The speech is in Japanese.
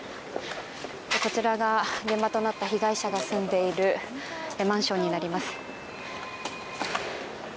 こちらが現場となった被害者が住んでいるマンションになります。